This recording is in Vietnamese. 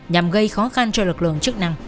nhằm gây khó khăn cho lực lượng chức năng